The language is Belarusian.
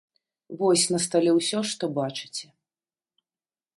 Вось, на стале ўсё, што бачыце.